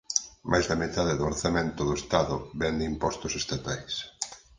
Máis da metade do orzamento do Estado vén de impostos estatais.